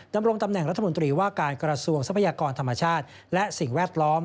ดำรงตำแหน่งรัฐมนตรีว่าการกระทรวงทรัพยากรธรรมชาติและสิ่งแวดล้อม